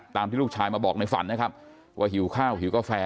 ตามที่ลูกชายมาบอกในฝันนะครับว่าหิวข้าวหิวกาแฟ